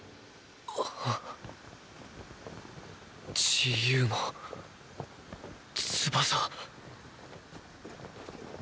自由の翼。